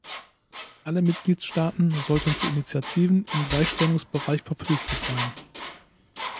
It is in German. Alle Mitgliedstaaten sollten zu Initiativen im Gleichstellungsbereich verpflichtet sein.